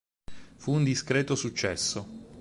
Fu un discreto successo.